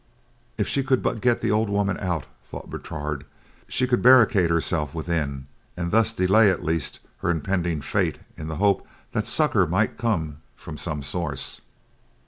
If she could but get the old woman out, thought Bertrade, she could barricade herself within and thus delay, at least, her impending fate in the hope that succor might come from some source.